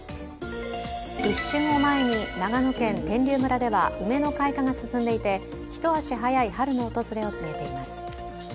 立春を前に、長野県天龍村では梅の開花が進んでいて一足早い春の訪れを告げています。